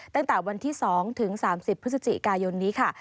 ตั้งแต่วันที่๒ถึง๓๐พฤศจิกายนนี้ค่ะ